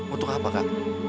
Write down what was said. untuk apa kak